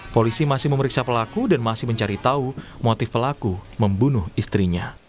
polisi masih memeriksa pelaku dan masih mencari tahu motif pelaku membunuh istrinya